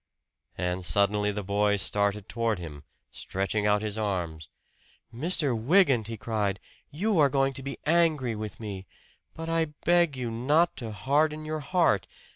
And suddenly the boy started toward him, stretching out his arms. "Mr. Wygant!" he cried. "You are going to be angry with me! But I beg you not to harden your heart!